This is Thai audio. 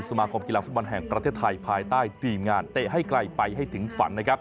สมาคมกีฬาฟุตบอลแห่งประเทศไทยภายใต้ทีมงานเตะให้ไกลไปให้ถึงฝันนะครับ